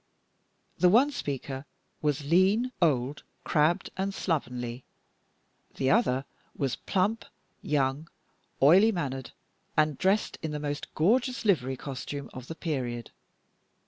The one speaker was lean, old, crabbed and slovenly; the other was plump, young, oily mannered and dressed in the most gorgeous livery costume of the period.